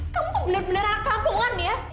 kamu tuh bener bener anak kampungan ya